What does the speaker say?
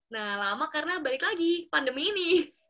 nah lama karena balik lagi pandemi ini